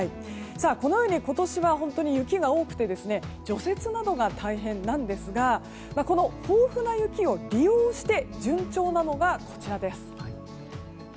このように今年は本当に雪が多くて除雪などが大変なんですがこの豊富な雪を利用して順調なのが、こちらです。